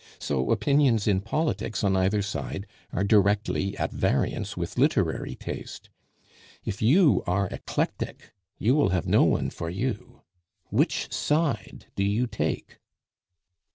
So opinions in politics on either side are directly at variance with literary taste. If you are eclectic, you will have no one for you. Which side do you take?"